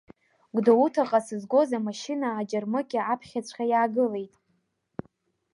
Гәдоуҭаҟа сызгоз амашьына аџьармыкьа аԥхьаҵәҟьа иаагылеит.